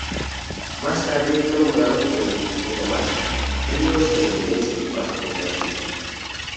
Más adelante, fue nombrado por el Potomac, río estadounidense que pasa por Washington.